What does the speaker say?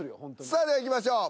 さあではいきましょう。